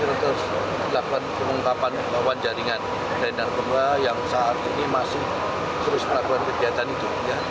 kita lakukan pengungkapan lawan jaringan narkoba yang saat ini masih terus melakukan kegiatan itu